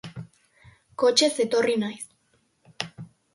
Kotxez etorri naiz.